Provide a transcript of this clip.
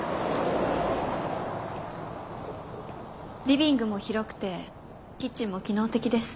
リビングも広くてキッチンも機能的です。